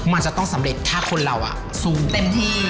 มันจะต้องสำเร็จถ้าคนเราซูมเต็มที่